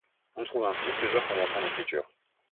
On trouve ainsi plusieurs conventions d'écriture.